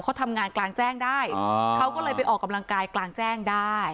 เขาทำงานกลางแจ้งได้เขาก็เลยไปออกกำลังกายกลางแจ้งได้